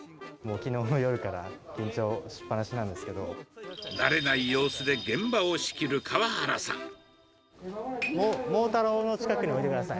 きのうの夜から緊張しっ放し慣れない様子で現場を仕切るモー太郎の近くに置いてください。